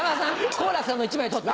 好楽さんの１枚取って。